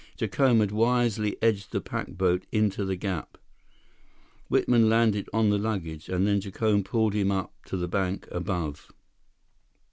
Jacome had wisely edged the pack boat into the gap. Whitman landed on the luggage, and Jacome pulled him up to the bank above.